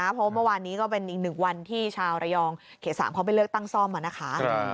เพราะว่าเมื่อวานนี้ก็เป็นอีกหนึ่งวันที่ชาวระยองเขต๓เขาไปเลือกตั้งซ่อมนะคะ